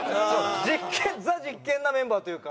実験「ＴＨＥ実験」なメンバーというか。